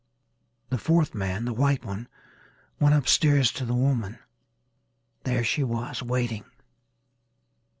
The fourth man, the white one, went upstairs to the woman. There she was waiting.